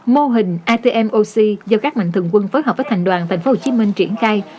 mô hình atm ox do các mạnh thường quân phối hợp với thành đoàn tp hcm triển khai